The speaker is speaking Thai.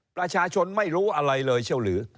ประชาชนไม่รู้อะไรเลยเชียวหรือ